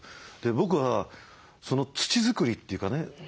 僕はその土作りっていうかね